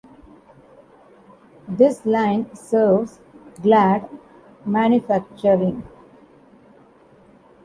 This line serves Glad Manufacturing.